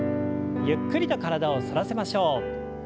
ゆっくりと体を反らせましょう。